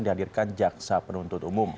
dihadirkan jaksa penuntut umum